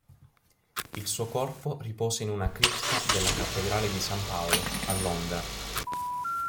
Il suo corpo riposa in una cripta della cattedrale di San Paolo, a Londra.